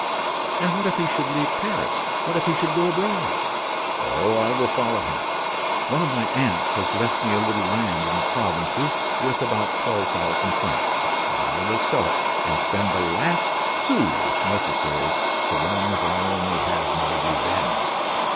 "And what if he should leave Paris? What if he should go abroad?" "Oh, I will follow him. One of my aunts has left me a little land in the provinces worth about twelve thousand francs. I will sell it, and spend the last sou, if necessary, so long as I only have my revenge.